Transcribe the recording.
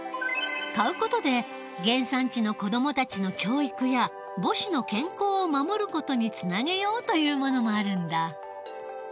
買う事で原産地の子どもたちの教育や母子の健康を守る事につなげようというものもあるんだ。